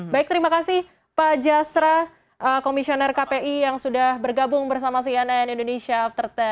baik terima kasih pak jasra komisioner kpi yang sudah bergabung bersama cnn indonesia after sepuluh